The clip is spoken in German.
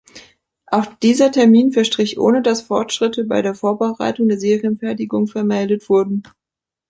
Auch dieser Termin verstrich ohne dass Fortschritte bei der Vorbereitung der Serienfertigung vermeldet wurden.